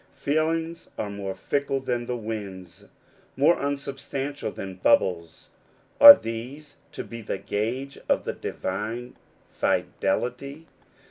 Feelings are more fickle than the winds, more unsubstantial than bubbles : are these to be the gauge of the divine fidelity?